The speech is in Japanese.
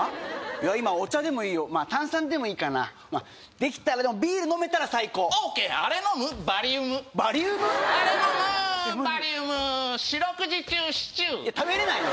今お茶でもいいよまあ炭酸でもいいかなできたらビール飲めたら最高オーケーあれ飲むバリウムあれ飲むバリウム四六時中シチューいや食べれないよ